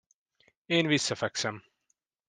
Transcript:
Én visszafekszem.